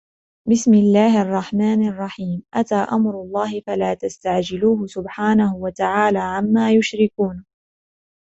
بسم الله الرحمن الرحيم أتى أمر الله فلا تستعجلوه سبحانه وتعالى عما يشركون